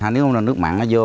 nếu nước mặn nó vô